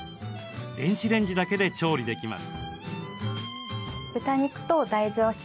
電子レンジだけで調理できます。